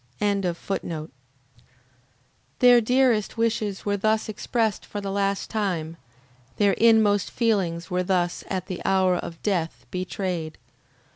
] Their dearest wishes were thus expressed for the last time, their inmost feelings were thus at the hour of death betrayed.